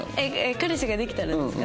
彼氏ができたらですか？